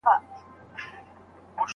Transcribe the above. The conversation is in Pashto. د غصې اثرات په کومو لارو له منځه ځي؟